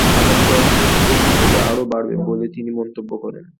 আগামী কয়েক দিনে শীতের তীব্রতা আরও বাড়বে বলে তিনি মন্তব্য করেন।